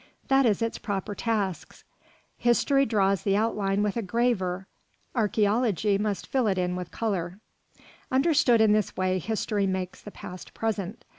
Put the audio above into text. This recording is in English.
That is its proper task. History draws the outline with a graver, archæology must fill it in with colour. Understood in this way, history makes the past present.